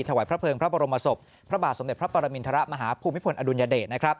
ถวายพระเภิงพระบรมศพพระบาทสมเด็จพระปรมินทรมาฮภูมิพลอดุลยเดช